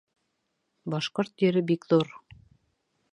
Башҡорт ере бик ҙур.